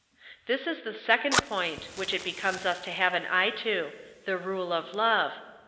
This is the second point, which it becomes us to have an eye to — the rule of love.